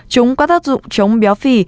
chúng có tác dụng chống béo phì